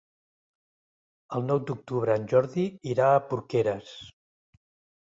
El nou d'octubre en Jordi irà a Porqueres.